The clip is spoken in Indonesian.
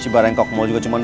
saya dengar yang dia bilang